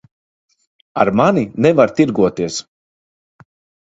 Ar mani nevar tirgoties.